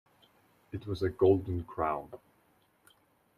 It was a golden crown.